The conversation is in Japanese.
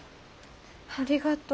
ありがとう。